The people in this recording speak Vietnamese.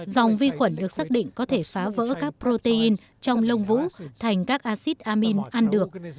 dòng vi khuẩn được xác định có thể phá vỡ các protein trong lông vũ thành các acid amin ăn được